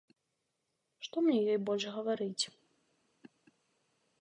Што мне ёй больш гаварыць?